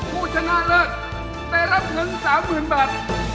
ผู้ชนะเลิศแต่รับเงินสามหมื่นบาท